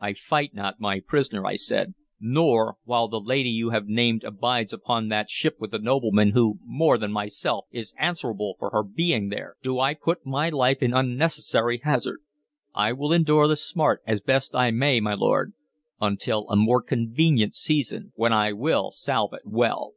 "I fight not my prisoner," I said, "nor, while the lady you have named abides upon that ship with the nobleman who, more than myself, is answerable for her being there, do I put my life in unnecessary hazard. I will endure the smart as best I may, my lord, until a more convenient season, when I will salve it well."